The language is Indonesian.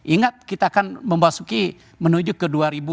ingat kita akan memasuki menuju ke dua ribu dua puluh